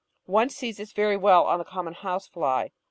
One sees this very well on a common house fly.